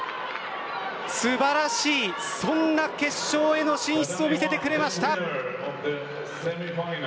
素晴らしいそんな決勝への進出を見せてくれました。